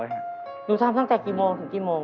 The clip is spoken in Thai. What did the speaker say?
หนูทำตั้งแต่กี่โมงถึงกี่โมง